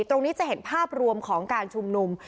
จะเห็นภาพรวมของการชุมนุม